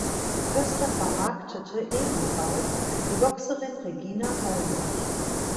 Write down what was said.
Köster vermarktete ebenfalls die Boxerin Regina Halmich.